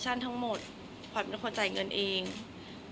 คนเราถ้าใช้ชีวิตมาจนถึงอายุขนาดนี้แล้วค่ะ